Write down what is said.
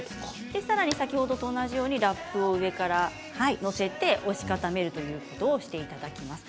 先ほどと同じようにラップを上に載せて押し固めるということをしていただきます。